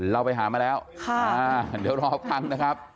เราไปหามาแล้วเดี๋ยวรอฟังนะครับ